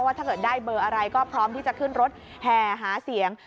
ถ้าเกิดได้เบอร์อะไรก็พร้อมที่จะขึ้นรถแห่หาเสียง